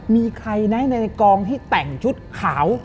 มีใครนะในกองที่แต่งชุดขาว